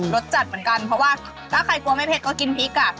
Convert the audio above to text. สจัดเหมือนกันเพราะว่าถ้าใครกลัวไม่เผ็ดก็กินพริกอ่ะ